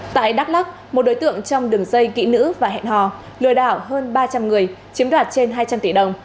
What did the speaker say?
tại đắk lắc một đối tượng trong đường dây kỹ nữ và hẹn hò lừa đảo hơn ba trăm linh người chiếm đoạt trên hai trăm linh tỷ đồng